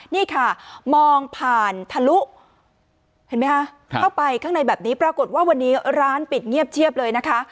นี่ค่ะมองผ่านทะลุเห็นไหมคะเข้าไปข้างในแบบนี้ปรากฏว่าวันนี้ร้านปิดเงียบเชียบเลยนะคะ